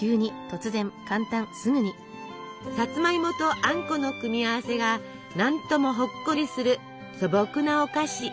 さつまいもとあんこの組み合わせが何ともほっこりする素朴なお菓子。